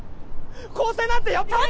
更生なんてやっぱり。